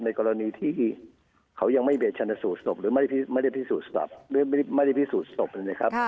ในกรณีที่เขายังไม่มีชนะสูตรศพหรือไม่ได้พิสูจน์สวัสดิ์